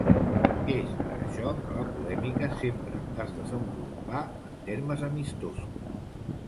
És per això que la polèmica sempre es desenvolupà en termes amistosos.